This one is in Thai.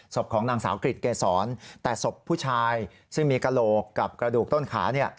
ของนางสาวกริจเกษรแต่ศพผู้ชายซึ่งมีกระโหลกกับกระดูกต้นขา